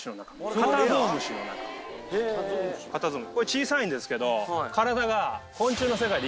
これ小さいんですけど。